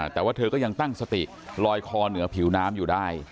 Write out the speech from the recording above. แต่ว่าเธอก็ยังตั้งสติลอยคอเหนือผิวน้ำอยู่ได้